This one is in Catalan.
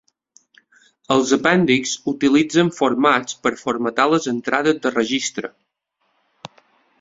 Els apèndixs utilitzen formats per formatar les entrades de registre.